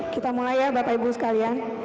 kita mulai ya bapak ibu sekalian